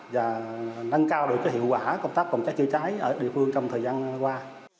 và nâng cao được hiệu quả công tác phòng cháy chữa cháy ở địa phương trong thời gian qua